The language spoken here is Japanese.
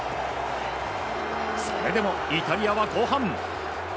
それでもイタリアは後半。